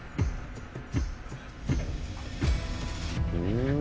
うん！